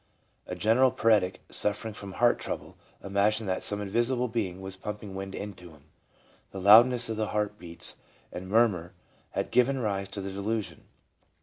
A general paretic 1 suffering from heart trouble imagined that some invisible being was pumping wind into him. The loud ness of the heart beats and murmurs had given rise to the delusion.